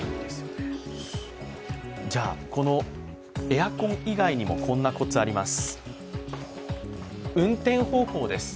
じゃあ、エアコン以外にもこんなコツあります。